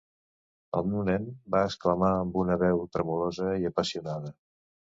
"El meu nen!", va exclamar amb una veu tremolosa i apassionada.